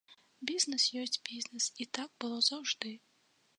Бізнес ёсць бізнес, і так было заўжды.